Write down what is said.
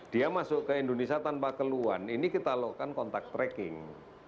dia masuk ke indonesia tanpa keluhan ini kita lakukan kontak tracking